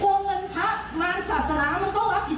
พิธีดีกับสิ่งว่าพิศต้นไม้ต้องทักต้องทักต้อง